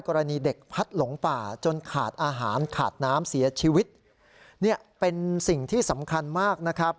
กรณีเด็กพัดหลงป่าจนขาดอาหารขาดน้ำเสียชีวิตเนี่ยเป็นสิ่งที่สำคัญมากนะครับ